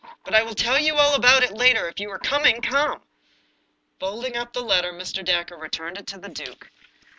But I will tell you all about it later. If you are coming, come !" Folding up the letter, Mr. Dacre returned it to the duke.